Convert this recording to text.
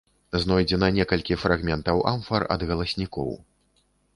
Знойдзена некалькі фрагментаў амфар ад галаснікоў.